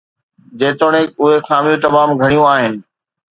جيتوڻيڪ اهي خاميون تمام گهڻيون آهن